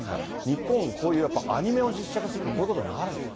日本もこういうアニメを実写化するとこういうことになるんですね。